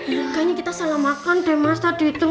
ya kayaknya kita salah makan deh mas tadi itu